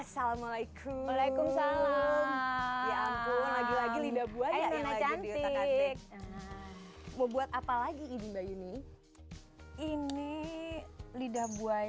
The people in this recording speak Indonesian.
assalamualaikum waalaikumsalam lagi lagi lidah buaya cantik buat apa lagi ini ini lidah buaya